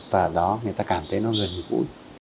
và đó người ta cảm thấy nó gần như cũ